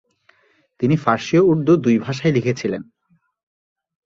তিনি ফার্সি ও উর্দু দুই ভাষায় লিখেছিলেন।